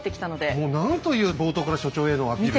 もう何という冒頭から所長へのアピール。